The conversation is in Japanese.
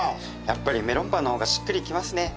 やっぱりメロンパンの方がしっくりきますね。